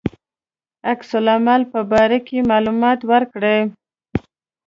عکس العمل په باره کې معلومات ورکړي.